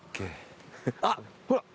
あっほら。